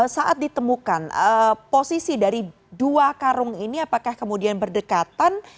saat ditemukan posisi dari dua karung ini apakah kemudian berdekatan